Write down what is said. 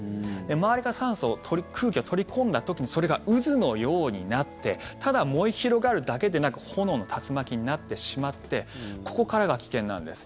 周りから空気を取り込んだ時にそれが渦のようになってただ燃え広がるだけでなく炎の竜巻になってしまってここからが危険なんです。